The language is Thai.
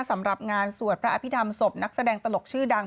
สำหรับงานสวดพระอภิษฐรรมศพนักแสดงตลกชื่อดัง